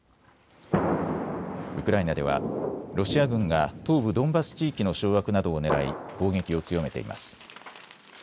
ウクライナではロシア軍が東部ドンバス地域の掌握などをねらい攻撃を強めています。